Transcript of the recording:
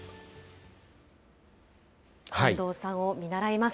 近藤さんを見習います。